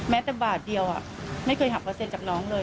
แต่บาทเดียวไม่เคยหักเปอร์เซ็นจากน้องเลย